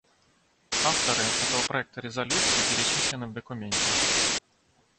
Авторы этого проекта резолюции перечислены в документе.